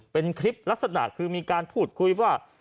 เป็นคลิปลักษณะคือมีการพูดคุยว่า